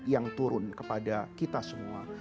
yang turun kepada kita semua